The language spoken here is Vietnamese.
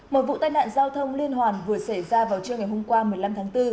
một vụ tai nạn giao thông liên hoàn vừa xảy ra vào trưa ngày hôm qua một mươi năm tháng bốn